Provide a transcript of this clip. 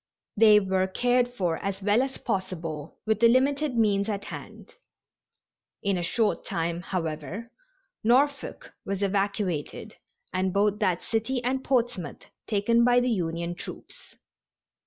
They were cared for as well as possible with the limited means at hand. In a short time, however, Norfolk was evacuated, and both that city and Portsmouth taken by the Union troops.